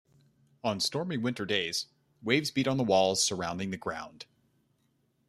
On stormy winter days, waves beat on the walls surrounding the ground.